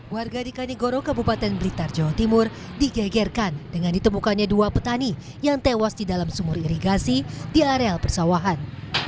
warga di kanigoro kabupaten blitar jawa timur digegerkan dengan ditemukannya dua petani yang tewas di dalam sumur irigasi di areal persawahan